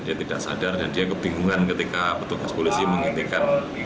dia tidak sadar dan dia kebingungan ketika petugas polisi menghentikan